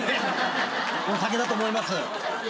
お酒だと思います。